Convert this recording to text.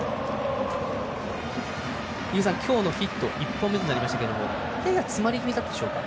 井口さん、今日のヒット１本目となりましたけどもやや詰まり気味だったでしょうか。